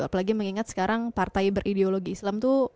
apalagi mengingat sekarang partai berideologi islam itu